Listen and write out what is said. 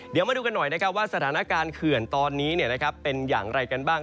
เดี๋ยวมาดูกันหน่อยนะครับว่าสถานการณ์เขื่อนตอนนี้เป็นอย่างไรกันบ้าง